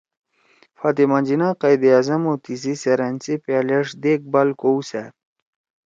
فاطمہ جناح قائد اعظم او تیِسی سیرأن سی پألیِݜ )دیکھ بھال( کؤسأد